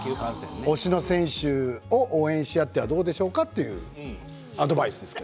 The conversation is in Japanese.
推しの選手を応援し合ってはどうでしょうかというアドバイスです。